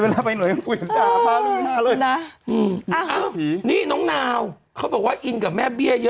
เวลาไปหน่วยก็เห็นด่าผ้าดึงหน้าเลย